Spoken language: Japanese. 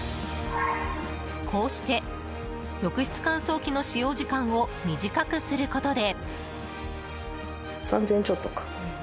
こうして浴室乾燥機の使用時間を短くすることで。